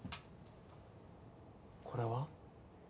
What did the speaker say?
これは？